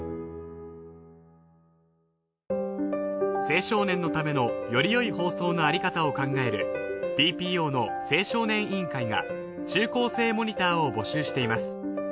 青少年のためのよりよい放送のあり方を考えるＢＰＯの青少年委員会が中高生モニターを募集しています。